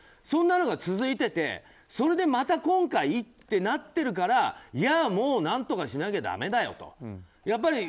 そんなのが続いててそれでまた今回ってなってるからもうなんとかしなきゃだめだよって。